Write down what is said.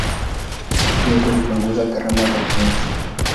Yote hupunguza gharama za ujenzi.